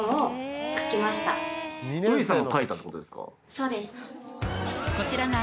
そうです。